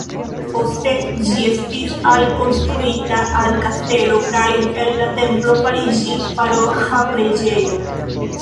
Poste ĝi estis alkonstruita al kastelo kaj el la templo fariĝis paroĥa preĝejo.